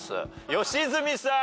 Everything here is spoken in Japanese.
良純さん。